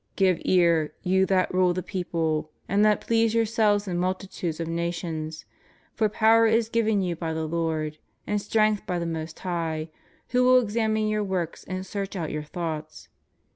Give ear, you that rule the people, and that please yourselves in multitudes of nations; for power is given you by the Lord, and strength by the Most High, who ivill examine your works, and search out your thoughts